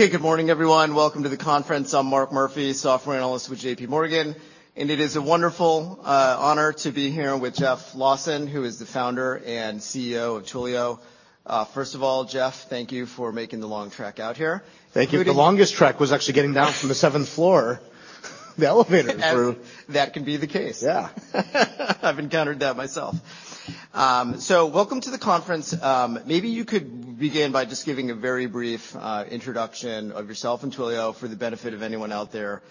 Okay, good morning, everyone. Welcome to the conference. I'm Mark Murphy, software analyst with JPMorgan. It is a wonderful honor to be here with Jeff Lawson, who is the founder and CEO of Twilio. First of all, Jeff, thank you for making the long trek out here. Thank you. The longest trek was actually getting down from the seventh floor the elevator crew. That can be the case. Yeah. I've encountered that myself. So welcome to the conference. Maybe you could begin by just giving a very brief introduction of yourself and Twilio for the benefit of anyone out there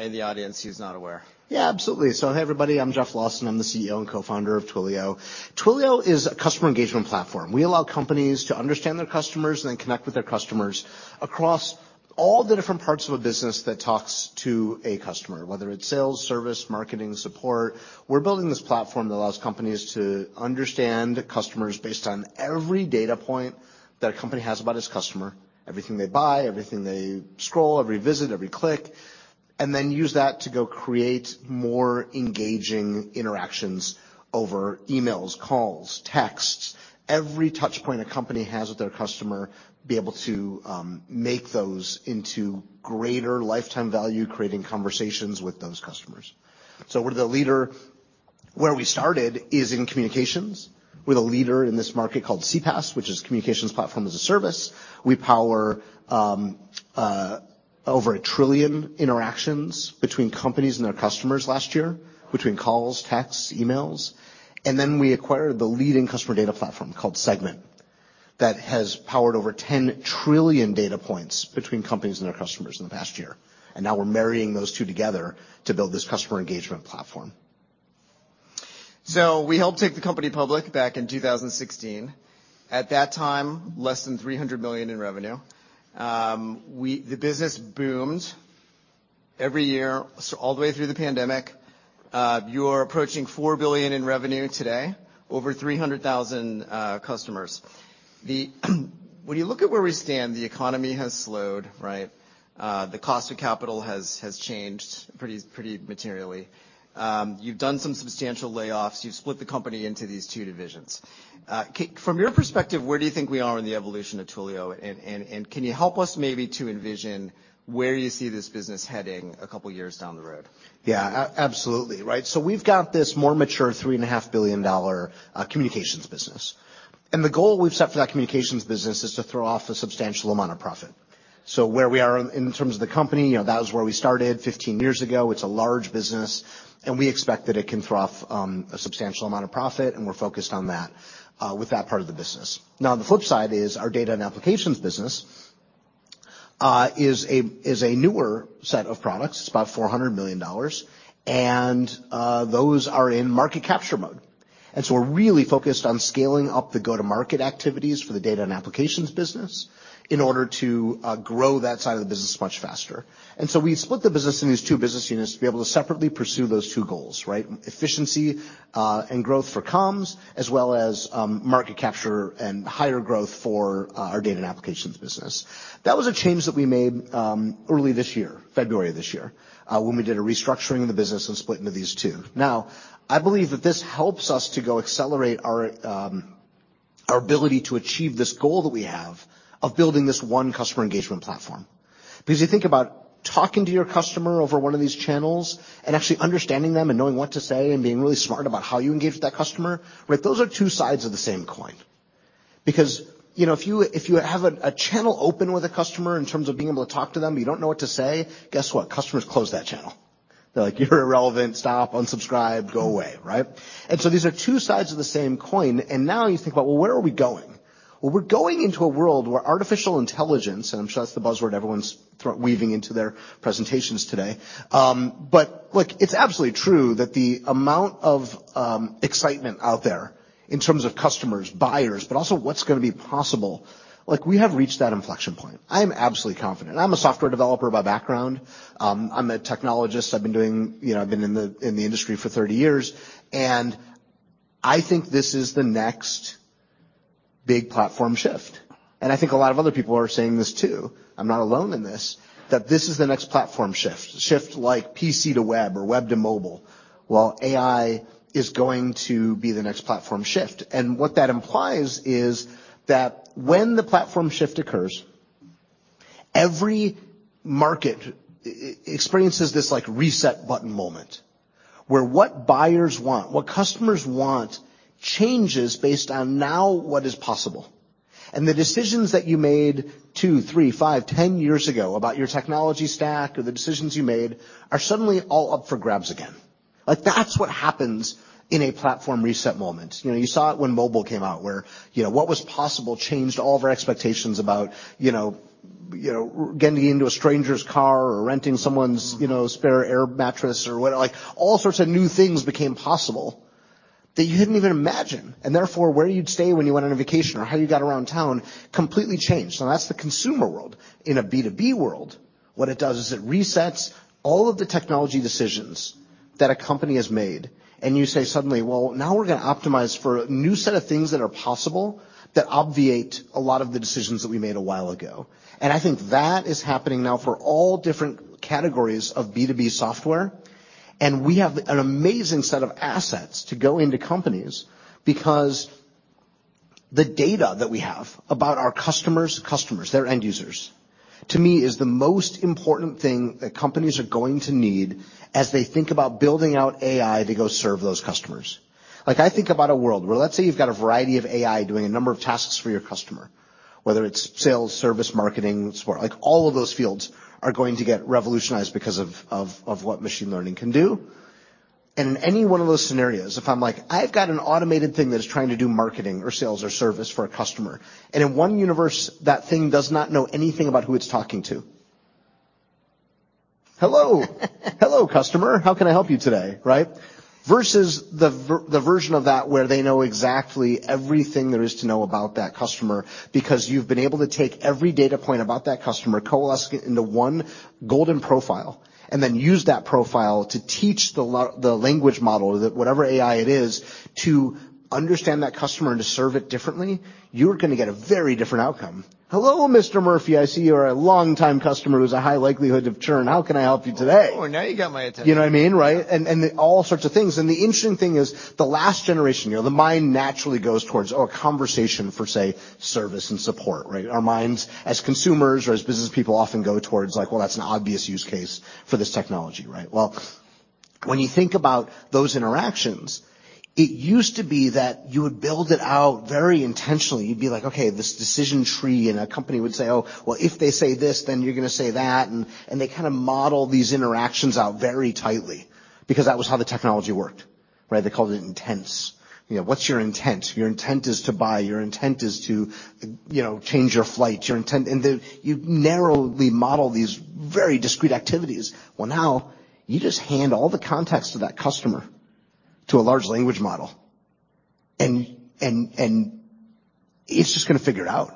in the audience who's not aware. Yeah, absolutely. Hi, everybody, I'm Jeff Lawson. I'm the CEO and cofounder of Twilio. Twilio is a Customer Engagement Platform. We allow companies to understand their customers and then connect with their customers across all the different parts of a business that talks to a customer, whether it's sales, service, marketing, support. We're building this platform that allows companies to understand customers based on every data point that a company has about its customer. Everything they buy, everything they scroll, every visit, every click, and then use that to go create more engaging interactions over emails, calls, texts. Every touch point a company has with their customer, be able to make those into greater lifetime value, creating conversations with those customers. We're the leader. Where we started is in communications. We're the leader in this market called CPaaS, which is Communications Platform as a Service. We power over 1 trillion interactions between companies and their customers last year, between calls, texts, emails. Then we acquired the leading Customer Data Platform called Segment that has powered over 10 trillion data points between companies and their customers in the past year. Now we're marrying those two together to build this Customer Engagement Platform. We helped take the company public back in 2016. At that time, less than $300 million in revenue. The business boomed every year all the way through the pandemic. You're approaching $4 billion in revenue today, over 300,000 customers. When you look at where we stand, the economy has slowed, right? The cost of capital has changed pretty materially. You've done some substantial layoffs. You've split the company into these two divisions. From your perspective, where do you think we are in the evolution of Twilio, and can you help us maybe to envision where you see this business heading a couple of years down the road? Yeah, absolutely. Right. We've got this more mature three and a half billion dollar communications business. The goal we've set for that communications business is to throw off a substantial amount of profit. Where we are in terms of the company, you know, that was where we started 15 years ago. It's a large business. We expect that it can throw off a substantial amount of profit. We're focused on that with that part of the business. Now, the flip side is our data and applications business is a newer set of products. It's about $400 million. Those are in market capture mode. We're really focused on scaling up the go-to-market activities for the data and applications business in order to grow that side of the business much faster. We've split the business in these two business units to be able to separately pursue those two goals, right? Efficiency, and growth for Comms, as well as, market capture and higher growth for our data and applications business. That was a change that we made early this year, February of this year, when we did a restructuring of the business and split into these two. I believe that this helps us to go accelerate our ability to achieve this goal that we have of building this one Customer Engagement Platform. You think about talking to your customer over one of these channels and actually understanding them and knowing what to say and being really smart about how you engage with that customer, right? Those are two sides of the same coin. Because, you know, if you, if you have a channel open with a customer in terms of being able to talk to them, you don't know what to say, guess what? Customers close that channel. They're like, "You're irrelevant. Stop. Unsubscribe. Go away." Right? These are two sides of the same coin. Now you think about, well, where are we going? Well, we're going into a world where artificial intelligence, and I'm sure that's the buzzword everyone's weaving into their presentations today. Look, it's absolutely true that the amount of excitement out there in terms of customers, buyers, but also what's gonna be possible, like we have reached that inflection point. I am absolutely confident. I'm a software developer by background. I'm a technologist. I've been doing... You know, I've been in the industry for 30 years, and I think this is the next big platform shift. I think a lot of other people are saying this too. I'm not alone in this, that this is the next platform shift. Shift like PC to web or web to mobile. Well, AI is going to be the next platform shift. What that implies is that when the platform shift occurs, every market experiences this, like, reset button moment where what buyers want, what customers want changes based on now what is possible. The decisions that you made two, three, five, ten years ago about your technology stack or the decisions you made are suddenly all up for grabs again. Like, that's what happens in a platform reset moment. You know, you saw it when mobile came out, where, you know, what was possible changed all of our expectations about, you know, getting into a stranger's car or renting someone's, you know, spare air mattress or what. Like, all sorts of new things became possible that you didn't even imagine, and therefore where you'd stay when you went on a vacation or how you got around town completely changed. That's the consumer world. In a B2B world, what it does is it resets all of the technology decisions that a company has made, You say suddenly, "Well, now we're gonna optimize for a new set of things that are possible that obviate a lot of the decisions that we made a while ago." I think that is happening now for all different categories of B2B software. We have an amazing set of assets to go into companies because the data that we have about our customer's customers, their end users, to me is the most important thing that companies are going to need as they think about building out AI to go serve those customers. Like I think about a world where let's say you've got a variety of AI doing a number of tasks for your customer, whether it's sales, service, marketing, support, like all of those fields are going to get revolutionized because of what machine learning can do. In any one of those scenarios, if I'm like, "I've got an automated thing that is trying to do marketing or sales or service for a customer," and in one universe, that thing does not know anything about who it's talking to. "Hello. Hello, customer. How can I help you today?" Right? Versus the version of that where they know exactly everything there is to know about that customer because you've been able to take every data point about that customer, coalesce it into one golden profile, and then use that profile to teach the language model that whatever AI it is to understand that customer to serve it differently, you're gonna get a very different outcome. "Hello, Mr. Murphy. I see you're a longtime customer who's a high likelihood of churn. How can I help you today? Oh, now you got my attention. You know what I mean, right? All sorts of things. The interesting thing is the last generation, you know, the mind naturally goes towards, oh, conversation for, say, service and support, right? Our minds as consumers or as business people often go towards like, well, that's an obvious use case for this technology, right? Well, when you think about those interactions, it used to be that you would build it out very intentionally. You'd be like, okay, this decision tree, and a company would say, "Oh, well, if they say this, then you're gonna say that," and they kinda model these interactions out very tightly because that was how the technology worked, right? They called it intents. You know, what's your intent? Your intent is to buy. Your intent is to, you know, change your flight. You narrowly model these very discrete activities. Well, now you just hand all the context of that customer to a large language model and it's just gonna figure it out.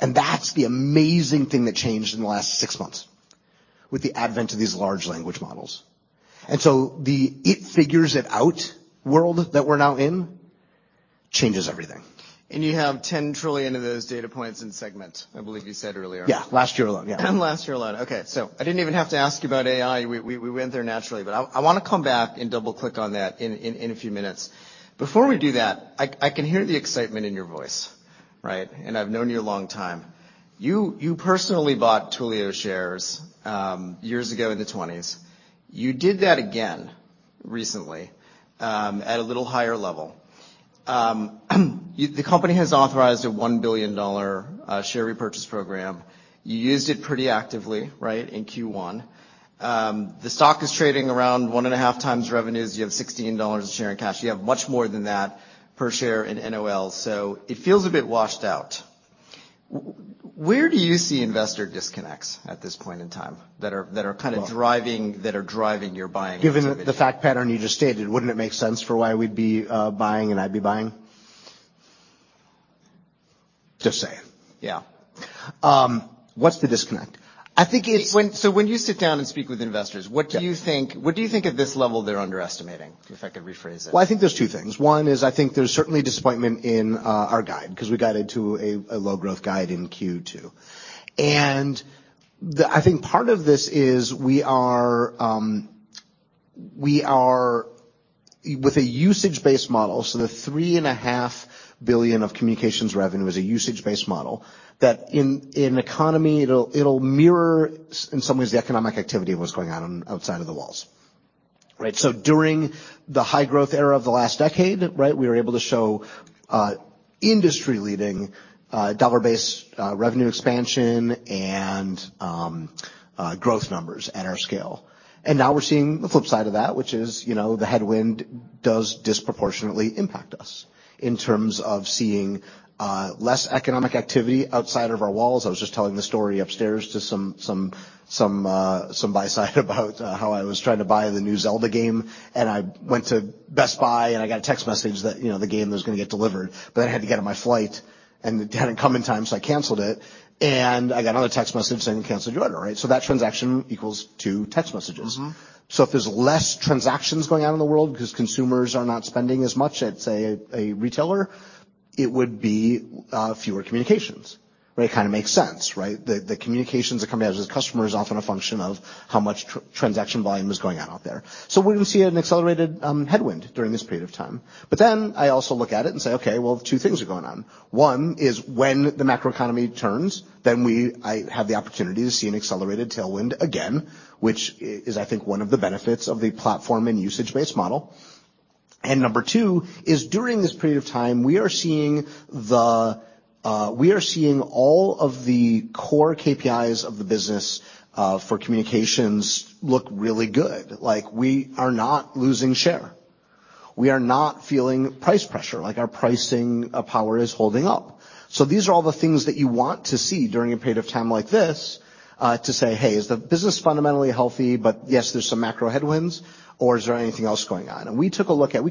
That's the amazing thing that changed in the last six months with the advent of these large language models. The it figures it out world that we're now in changes everything. you have 10 trillion of those data points in Segment, I believe you said earlier. Yeah. Last year alone. Yeah. Last year alone. Okay. I didn't even have to ask you about AI. We went there naturally. I wanna come back and double-click on that in, in a few minutes. Before we do that, I can hear the excitement in your voice, right? I've known you a long time. You, you personally bought Twilio shares, years ago in the $20s. You did that again recently, at a little higher level. The company has authorized a $1 billion share repurchase program. You used it pretty actively, right, in Q1. The stock is trading around 1.5 times revenues. You have $16 a share in cash. You have much more than that per share in NOL, so it feels a bit washed out. Where do you see investor disconnects at this point in time that are? Well driving, that are driving your buying activity? Given the fact pattern you just stated, wouldn't it make sense for why we'd be buying and I'd be buying? Just saying. Yeah. What's the disconnect? I think. So when you sit down and speak with investors- Yeah. what do you think at this level they're underestimating? If I could rephrase it. I think there's two things. One is I think there's certainly disappointment in our guide, 'cause we got into a low growth guide in Q2. I think part of this is we are with a usage-based model, so the $3.5 billion of communications revenue is a usage-based model that in economy it'll mirror in some ways the economic activity of what's going on outside of the walls. Right? During the high growth era of the last decade, we were able to show industry-leading dollar-based revenue expansion and growth numbers at our scale. Now we're seeing the flip side of that, which is, you know, the headwind does disproportionately impact us in terms of seeing less economic activity outside of our walls. I was just telling the story upstairs to some buy side about how I was trying to buy the new Zelda game. I went to Best Buy and I got a text message that, you know, the game was gonna get delivered. I had to get on my flight and it hadn't come in time. I canceled it, and I got another text message saying, "Canceled your order." Right? That transaction equals two text messages. Mm-hmm. If there's less transactions going on in the world because consumers are not spending as much at, say, a retailer, it would be fewer communications, right? Kinda makes sense, right? The, the communications that come out of this customer is often a function of how much transaction volume is going on out there. We're gonna see an accelerated headwind during this period of time. I also look at it and say, okay, well, two things are going on. One is when the macro economy turns, then I have the opportunity to see an accelerated tailwind again, which is, I think, one of the benefits of the platform and usage-based model. Number two is, during this period of time, we are seeing the, we are seeing all of the core KPIs of the business, for communications look really good. Like, we are not losing share. We are not feeling price pressure. Like, our pricing power is holding up. These are all the things that you want to see during a period of time like this to say, "Hey, is the business fundamentally healthy, but yes, there's some macro headwinds, or is there anything else going on?" We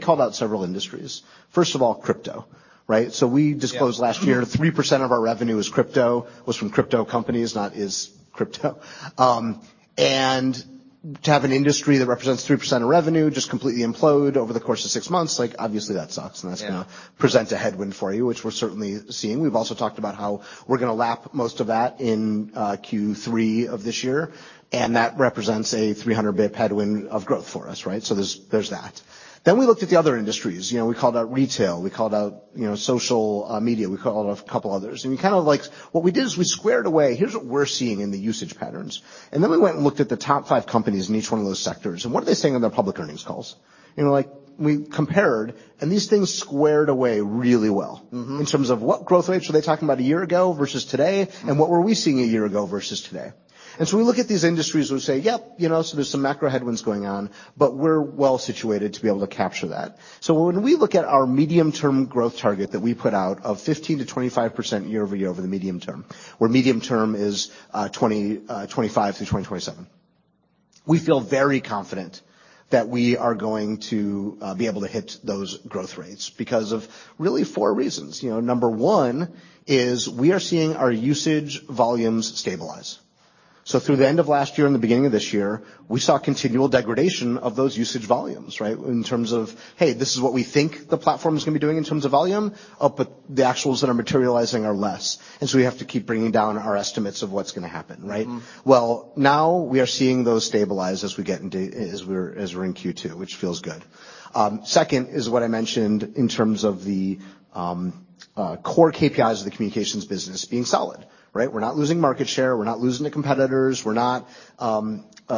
called out several industries. First of all, crypto, right? Yeah. We disclosed last year 3% of our revenue is crypto, was from crypto companies, not is crypto. To have an industry that represents 3% of revenue just completely implode over the course of six months, like, obviously that sucks. Yeah. That's gonna present a headwind for you, which we're certainly seeing. We've also talked about how we're gonna lap most of that in Q3 of this year, that represents a 300 bps headwind of growth for us, right? There's that. We looked at the other industries. You know, we called out retail, we called out, you know, social media, we called out a couple others. Kind of like what we did is we squared away, here's what we're seeing in the usage patterns, we went and looked at the top five companies in each one of those sectors, and what are they saying in their public earnings calls? You know, like we compared, these things squared away really well. Mm-hmm In terms of what growth rates were they talking about a year ago versus today. What were we seeing a year ago versus today. When we look at these industries, we say, "Yep, you know, so there's some macro headwinds going on, but we're well situated to be able to capture that." When we look at our medium-term growth target that we put out of 15%-25% year-over-year over the medium term, where medium term is 2025 through 2027, we feel very confident that we are going to be able to hit those growth rates because of really four reasons. You know, number 1 is we are seeing our usage volumes stabilize. Through the end of last year and the beginning of this year, we saw continual degradation of those usage volumes, right? In terms of, hey, this is what we think the platform is gonna be doing in terms of volume. Oh, the actuals that are materializing are less, we have to keep bringing down our estimates of what's gonna happen, right? Mm-hmm. Well, now we are seeing those stabilize as we're in Q2, which feels good. Second is what I mentioned in terms of the core KPIs of the communications business being solid, right? We're not losing market share. We're not losing to competitors. We're not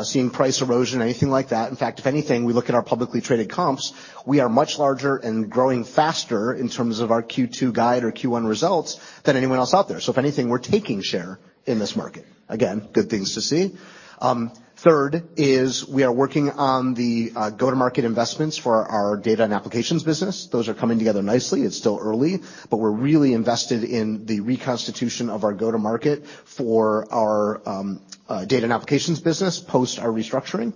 seeing price erosion or anything like that. In fact, if anything, we look at our publicly traded comps, we are much larger and growing faster in terms of our Q2 guide or Q1 results than anyone else out there. If anything, we're taking share in this market. Again, good things to see. Third is we are working on the go-to-market investments for our data and applications business. Those are coming together nicely. It's still early, but we're really invested in the reconstitution of our go-to-market for our data and applications business post our restructuring.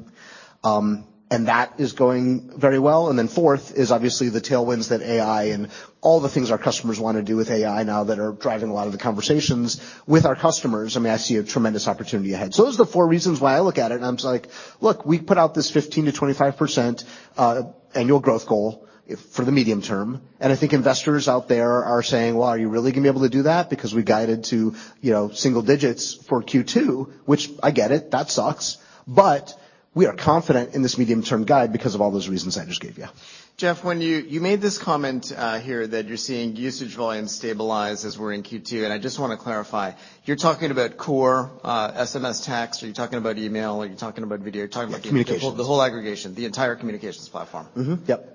That is going very well. Then fourth is obviously the tailwinds that AI and all the things our customers wanna do with AI now that are driving a lot of the conversations with our customers. I mean, I see a tremendous opportunity ahead. Those are the four reasons why I look at it. I'm just like, look, we put out this 15%-25% annual growth goal for the medium term. I think investors out there are saying, "Well, are you really gonna be able to do that?" Because we guided to, you know, single digits for Q2, which I get it, that sucks. We are confident in this medium-term guide because of all those reasons I just gave you. Jeff, when you made this comment here that you're seeing usage volumes stabilize as we're in Q2, I just wanna clarify. You're talking about core SMS text, or you're talking about email, or you're talking about video? You're talking about? Communications the whole aggregation, the entire communications platform. Mm-hmm. Yep.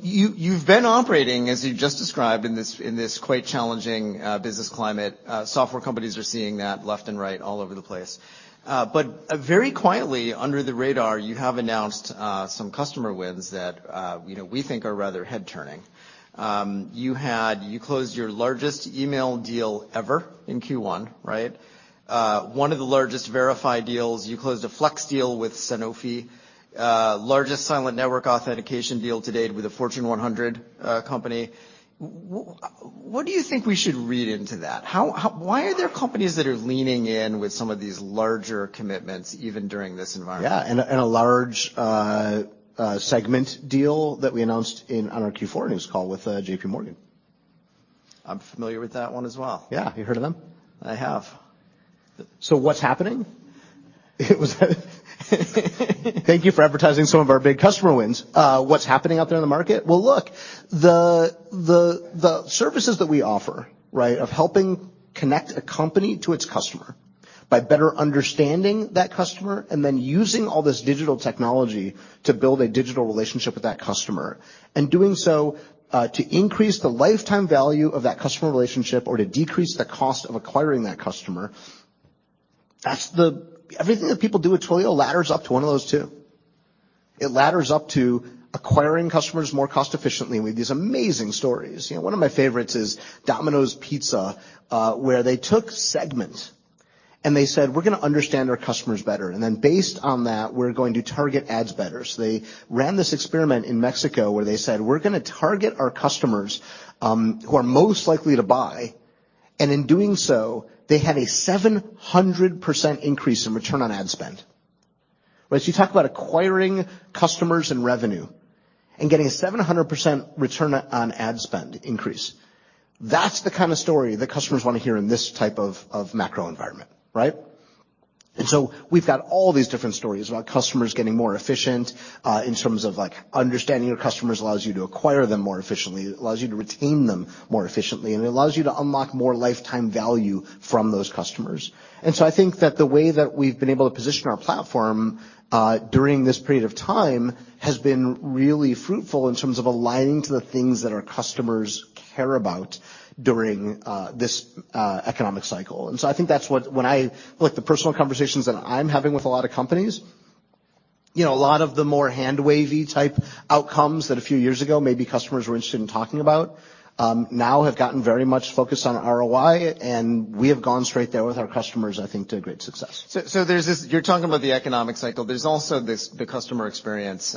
You've been operating, as you've just described, in this quite challenging business climate. Software companies are seeing that left and right all over the place. Very quietly under the radar, you have announced some customer wins that, you know, we think are rather head-turning. You closed your largest email deal ever in Q1, right? One of the largest verified deals. You closed a Flex deal with Sanofi. Largest Silent Network Authentication deal to date with a Fortune 100 company. What do you think we should read into that? Why are there companies that are leaning in with some of these larger commitments even during this environment? Yeah. A large Segment deal that we announced on our Q4 earnings call with J.P. Morgan. I'm familiar with that one as well. Yeah. You heard of them? I have. What's happening? Thank you for advertising some of our big customer wins. What's happening out there in the market? Well, look, the services that we offer, right, of helping connect a company to its customer by better understanding that customer and then using all this digital technology to build a digital relationship with that customer, and doing so, to increase the lifetime value of that customer relationship or to decrease the cost of acquiring that customer, that's the... Everything that people do at Twilio ladders up to one of those two. It ladders up to acquiring customers more cost efficiently. We have these amazing stories. You know, one of my favorites is Domino's Pizza, where they took Segment and they said, "We're gonna understand our customers better, and then based on that, we're going to target ads better." They ran this experiment in Mexico where they said, "We're gonna target our customers, who are most likely to buy." In doing so, they had a 700% increase in return on ad spend. Right? You talk about acquiring customers and revenue and getting a 700% return on ad spend increase. That's the kind of story that customers wanna hear in this type of macro environment, right? We've got all these different stories about customers getting more efficient, in terms of, like, understanding your customers allows you to acquire them more efficiently, it allows you to retain them more efficiently, and it allows you to unlock more lifetime value from those customers. I think that the way that we've been able to position our platform, during this period of time has been really fruitful in terms of aligning to the things that our customers care about during this economic cycle. I think that's what. Look, the personal conversations that I'm having with a lot of companies, you know, a lot of the more hand-wavy type outcomes that a few years ago maybe customers were interested in talking about, now have gotten very much focused on ROI, and we have gone straight there with our customers, I think, to great success. You're talking about the economic cycle. There's also this, the customer experience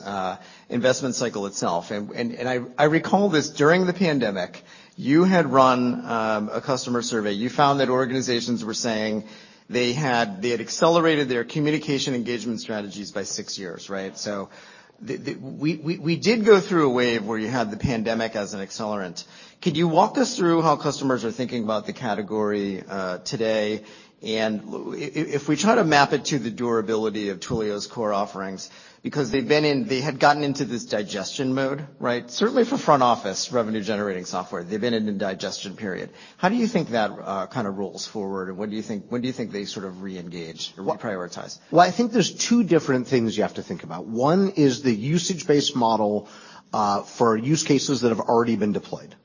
investment cycle itself. I recall this during the pandemic. You had run a customer survey. You found that organizations were saying they had accelerated their communication engagement strategies by 6 years, right? We did go through a wave where you had the pandemic as an accelerant. Could you walk us through how customers are thinking about the category today? If we try to map it to the durability of Twilio's core offerings, because they had gotten into this digestion mode, right? Certainly for front office revenue generating software, they've been in a digestion period. How do you think that, kind of rolls forward and when do you think they sort of reengage or reprioritize? Well, I think there's two different things you have to think about. One is the usage-based model for use cases that have already been deployed,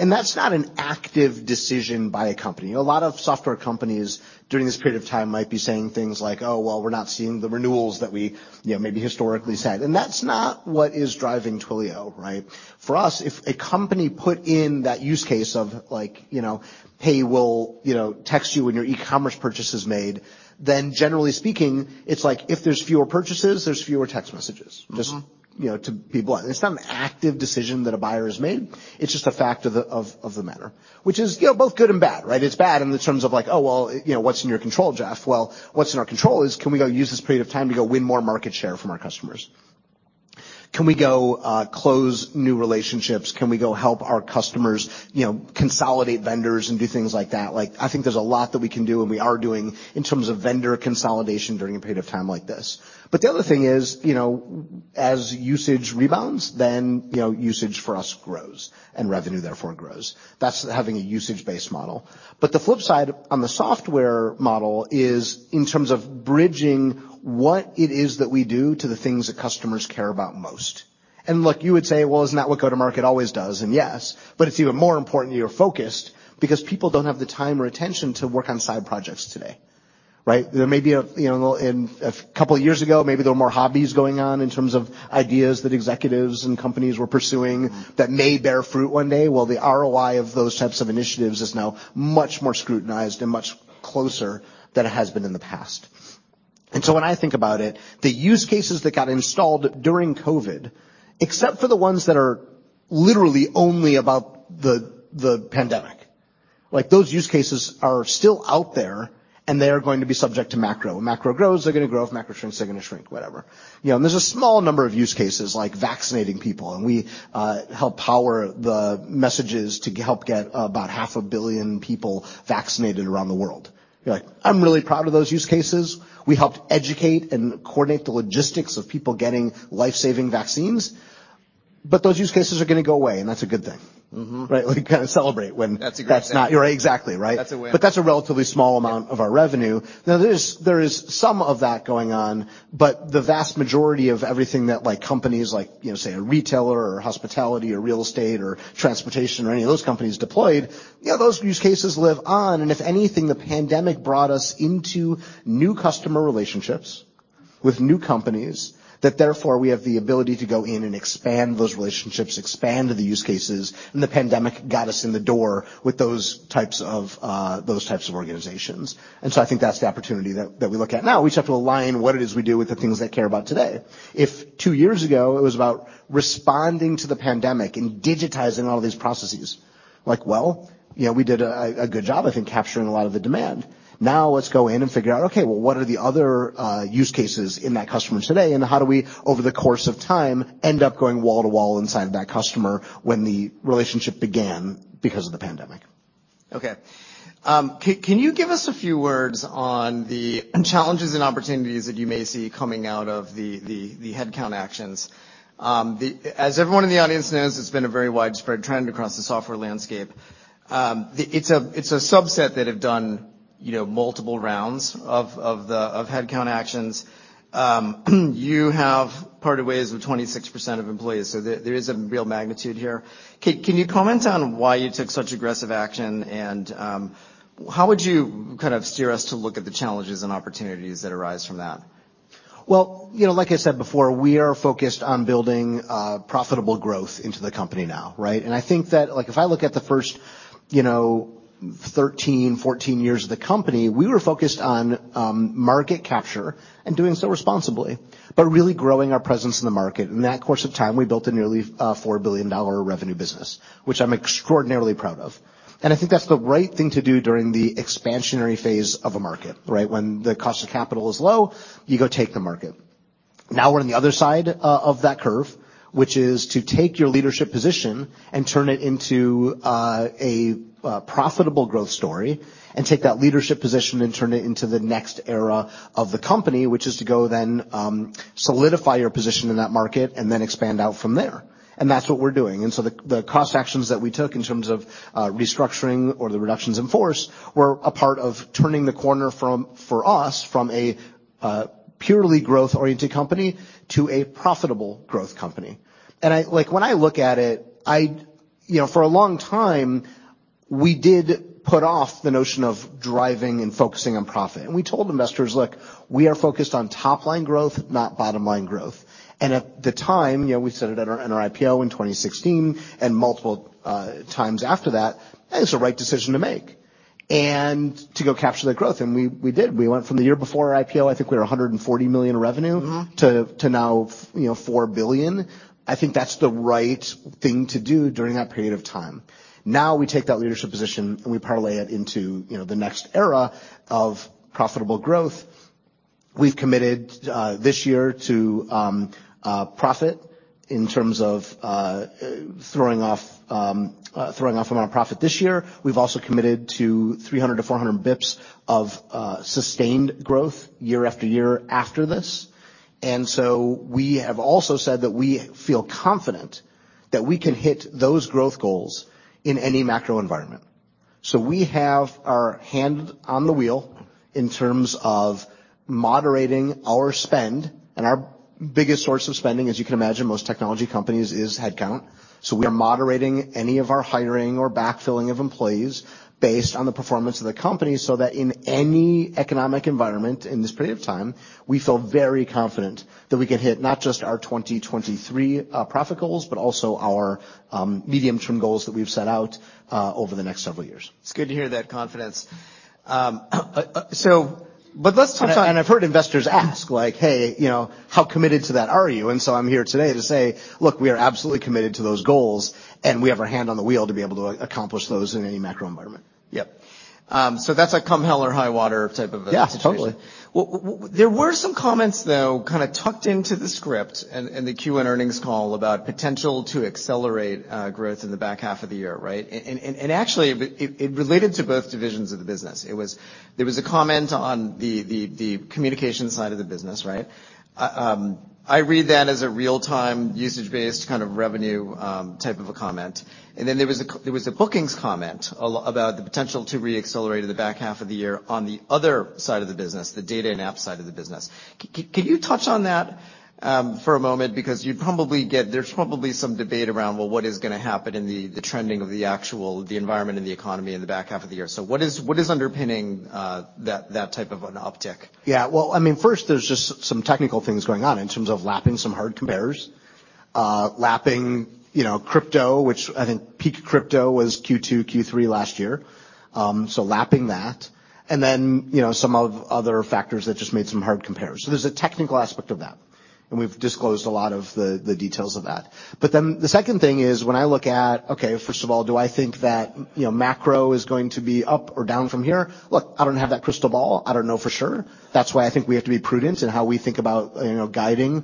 right? That's not an active decision by a company. You know, a lot of software companies during this period of time might be saying things like, "Oh, well, we're not seeing the renewals that we, you know, maybe historically said." That's not what is driving Twilio, right? For us, if a company put in that use case of like, you know, hey, we'll, you know, text you when your e-commerce purchase is made, then generally speaking, it's like if there's fewer purchases, there's fewer text messages. Mm-hmm. You know, to be blunt. It's not an active decision that a buyer has made. It's just a fact of the matter, which is, you know, both good and bad, right? It's bad in the terms of like, oh, well, you know, what's in your control, Jeff? Well, what's in our control is can we go use this period of time to go win more market share from our customers? Can we go close new relationships? Can we go help our customers, you know, consolidate vendors and do things like that? Like, I think there's a lot that we can do, and we are doing in terms of vendor consolidation during a period of time like this. The other thing is, you know, as usage rebounds, you know, usage for us grows, and revenue therefore grows. That's having a usage-based model. The flip side on the software model is in terms of bridging what it is that we do to the things that customers care about most. Look, you would say, "Well, isn't that what go-to-market always does?" Yes, but it's even more important that you're focused because people don't have the time or attention to work on side projects today, right? There may be a, you know, in a couple years ago, maybe there were more hobbies going on in terms of ideas that executives and companies were pursuing... Mm-hmm... that may bear fruit one day. The ROI of those types of initiatives is now much more scrutinized and much closer than it has been in the past. When I think about it, the use cases that got installed during COVID, except for the ones that are literally only about the pandemic, like those use cases are still out there, and they are going to be subject to macro. When macro grows, they're gonna grow. If macro shrinks, they're gonna shrink, whatever. You know, and there's a small number of use cases like vaccinating people, and we helped power the messages to help get about half a billion people vaccinated around the world. You know, I'm really proud of those use cases. We helped educate and coordinate the logistics of people getting life-saving vaccines, but those use cases are gonna go away, and that's a good thing. Mm-hmm. Right? Like, kind of celebrate. That's a great thing. That's not. You're right. Exactly, right? That's a win. That's a relatively small amount of our revenue. Now, there is some of that going on, but the vast majority of everything that like companies like, you know, say a retailer or hospitality or real estate or transportation or any of those companies deployed, you know, those use cases live on, and if anything, the pandemic brought us into new customer relationships with new companies that therefore we have the ability to go in and expand those relationships, expand the use cases, and the pandemic got us in the door with those types of, those types of organizations. I think that's the opportunity that we look at. Now, we just have to align what it is we do with the things they care about today. If two years ago it was about responding to the pandemic and digitizing all these processes, like, well, you know, we did a good job I think capturing a lot of the demand. Now, let's go in and figure out, okay, well, what are the other use cases in that customer today? How do we, over the course of time, end up going wall to wall inside that customer when the relationship began because of the pandemic. Okay. Can you give us a few words on the challenges and opportunities that you may see coming out of the headcount actions? As everyone in the audience knows, it's been a very widespread trend across the software landscape. It's a, it's a subset that have done, you know, multiple rounds of the headcount actions. You have parted ways with 26% of employees, so there is a real magnitude here. Can you comment on why you took such aggressive action and how would you kind of steer us to look at the challenges and opportunities that arise from that? Well, you know, like I said before, we are focused on building profitable growth into the company now, right? I think that, like, if I look at the first, you know, 13, 14 years of the company, we were focused on market capture and doing so responsibly, but really growing our presence in the market. In that course of time, we built a nearly $4 billion revenue business, which I'm extraordinarily proud of. I think that's the right thing to do during the expansionary phase of a market, right? When the cost of capital is low, you go take the market. Now we're on the other side of that curve, which is to take your leadership position and turn it into a profitable growth story and take that leadership position and turn it into the next era of the company, which is to go then solidify your position in that market and then expand out from there. That's what we're doing. The cost actions that we took in terms of restructuring or the reductions in force were a part of turning the corner from, for us, from a purely growth-oriented company to a profitable growth company. Like, when I look at it, I you know, for a long time, we did put off the notion of driving and focusing on profit. We told investors, "Look, we are focused on top line growth, not bottom line growth." At the time, you know, we said it at our, in our IPO in 2016 and multiple times after that, and it's the right decision to make. To go capture that growth, and we did. We went from the year before our IPO, I think we were $140 million revenue- Mm-hmm To now, you know, $4 billion. I think that's the right thing to do during that period of time. Now we take that leadership position, and we parlay it into, you know, the next era of profitable growth. We've committed this year to profit in terms of throwing off amount of profit this year. We've also committed to 300 to 400 basis points of sustained growth year after year after this. We have also said that we feel confident that we can hit those growth goals in any macro environment. We have our hand on the wheel in terms of moderating our spend, and our biggest source of spending, as you can imagine, most technology companies, is headcount. We are moderating any of our hiring or backfilling of employees based on the performance of the company, so that in any economic environment in this period of time, we feel very confident that we can hit not just our 2023 profit goals, but also our medium-term goals that we've set out over the next several years. It's good to hear that confidence. I, and I've heard investors ask, like, "Hey, you know, how committed to that are you?" I'm here today to say, look, we are absolutely committed to those goals, and we have our hand on the wheel to be able to accomplish those in any macro environment. Yep. That's a come hell or high water type of situation. Yeah, totally. There were some comments, though, kinda tucked in the Q& earnings call about potential to accelerate growth in the back half of the year, right? Actually, it related to both divisions of the business. There was a comment on the communication side of the business, right? I read that as a real-time, usage-based kind of revenue type of a comment. Then there was a bookings comment about the potential to reaccelerate in the back half of the year on the other side of the business, the data and app side of the business. Can you touch on that for a moment? Because you'd probably get. There's probably some debate around, well, what is gonna happen in the trending of the actual, the environment and the economy in the back half of the year. What is, what is underpinning, that type of an uptick? Yeah. Well, I mean, first there's just some technical things going on in terms of lapping some hard comparers. Lapping, you know, crypto, which I think peak crypto was Q2, Q3 last year. Lapping that. You know, some of other factors that just made some hard comparers. There's a technical aspect of that, and we've disclosed a lot of the details of that. The second thing is when I look at, okay, first of all, do I think that, you know, macro is going to be up or down from here? Look, I don't have that crystal ball. I don't know for sure. That's why I think we have to be prudent in how we think about, you know, guiding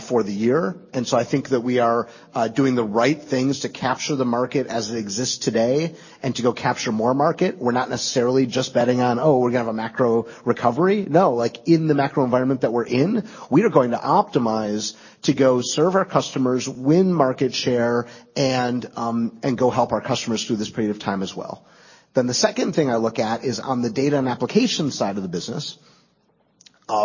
for the year. I think that we are doing the right things to capture the market as it exists today and to go capture more market. We're not necessarily just betting on, oh, we're gonna have a macro recovery. No. Like, in the macro environment that we're in, we are going to optimize to go serve our customers, win market share, and go help our customers through this period of time as well. The second thing I look at is on the data and application side of the business,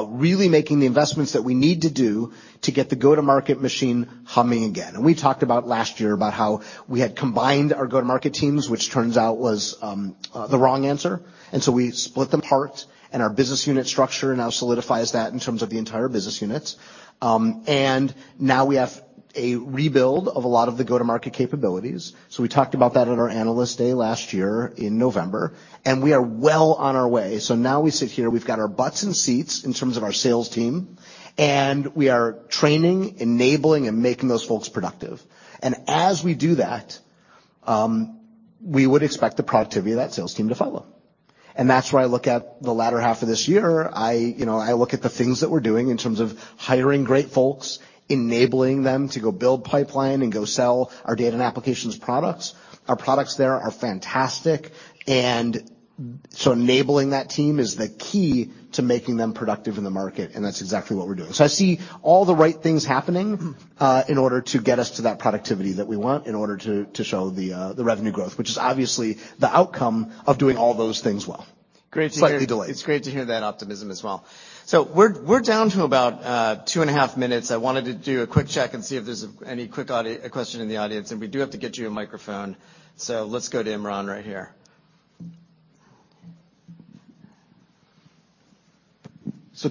really making the investments that we need to do to get the go-to-market machine humming again. We talked about last year about how we had combined our go-to-market teams, which turns out was the wrong answer. We split them apart, and our business unit structure now solidifies that in terms of the entire business units. Now we have a rebuild of a lot of the go-to-market capabilities. We talked about that at our Analyst Day last year in November, and we are well on our way. Now we sit here, we've got our butts in seats in terms of our sales team, and we are training, enabling, and making those folks productive. As we do that, we would expect the productivity of that sales team to follow. That's where I look at the latter half of this year. I, you know, I look at the things that we're doing in terms of hiring great folks, enabling them to go build pipeline and go sell our data and applications products. Our products there are fantastic. Enabling that team is the key to making them productive in the market, and that's exactly what we're doing. I see all the right things happening, in order to get us to that productivity that we want, in order to show the revenue growth, which is obviously the outcome of doing all those things well. Great to hear. Slightly delayed. It's great to hear that optimism as well. We're, we're down to about two and a half minutes. I wanted to do a quick check and see if there's any quick question in the audience, and we do have to get you a microphone. Let's go to Imran right here.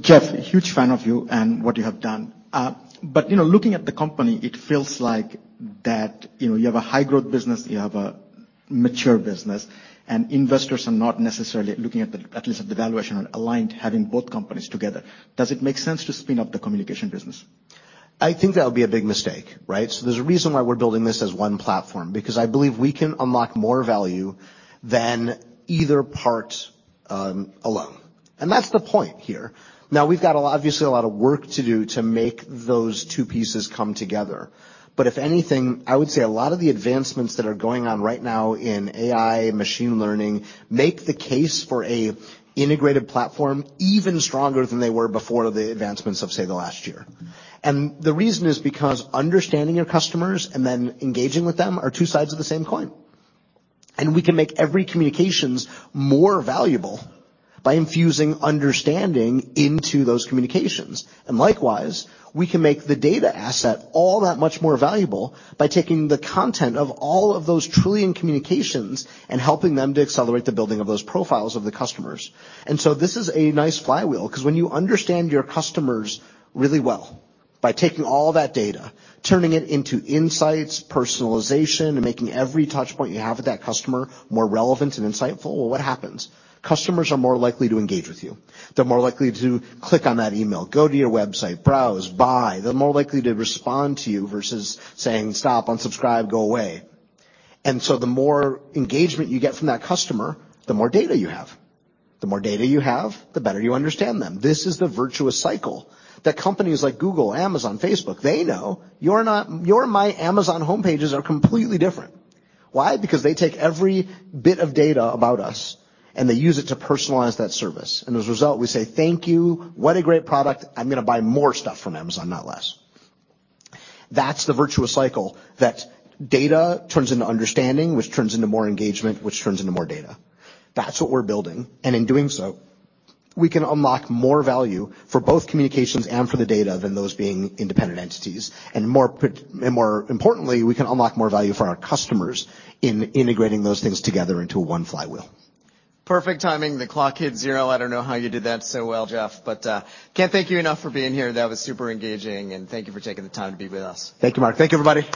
Jeff, huge fan of you and what you have done. You know, looking at the company, it feels like that, you know, you have a high growth business, you have a mature business, and investors are not necessarily looking at the, at least at the valuation aligned having both companies together. Does it make sense to spin up the communication business? I think that would be a big mistake, right? There's a reason why we're building this as one platform, because I believe we can unlock more value than either part alone. That's the point here. Now, we've got a lot, obviously a lot of work to do to make those two pieces come together. If anything, I would say a lot of the advancements that are going on right now in AI and machine learning make the case for a integrated platform even stronger than they were before the advancements of, say, the last year. The reason is because understanding your customers and then engaging with them are two sides of the same coin. We can make every communications more valuable by infusing understanding into those communications. Likewise, we can make the data asset all that much more valuable by taking the content of all of those trillion communications and helping them to accelerate the building of those profiles of the customers. This is a nice flywheel, 'cause when you understand your customers really well by taking all that data, turning it into insights, personalization, and making every touch point you have with that customer more relevant and insightful. Well, what happens? Customers are more likely to engage with you. They're more likely to click on that email, go to your website, browse, buy. They're more likely to respond to you versus saying, "Stop. Unsubscribe. Go away." And the more engagement you get from that customer, the more data you have. The more data you have, the better you understand them. This is the virtuous cycle that companies like Google, Amazon, Facebook, they know. Your and my Amazon home pages are completely different. Why? Because they take every bit of data about us, they use it to personalize that service. As a result, we say, "Thank you. What a great product. I'm gonna buy more stuff from Amazon, not less." That's the virtuous cycle, that data turns into understanding, which turns into more engagement, which turns into more data. That's what we're building, and in doing so, we can unlock more value for both communications and for the data than those being independent entities. More importantly, we can unlock more value for our customers in integrating those things together into one flywheel. Perfect timing. The clock hit zero. I don't know how you did that so well, Jeff, but can't thank you enough for being here. That was super engaging, and thank you for taking the time to be with us. Thank you, Mark. Thank you, everybody.